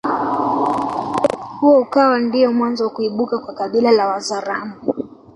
Huo ukawa ndiyo mwanzo wa kuibuka kwa kabila la wazaramo